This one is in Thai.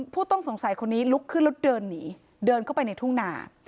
ผู้ต้องสงสัยคนนี้ลุกขึ้นแล้วเดินหนีเดินเข้าไปในทุ่งนา